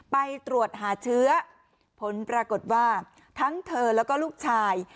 ไปตรวจหาเชื้อผลปรากฏว่าทั้งเธอแล้วก็ลูกชาย